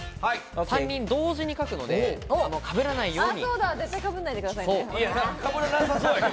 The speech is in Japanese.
３人同時に書くので、かぶらないように。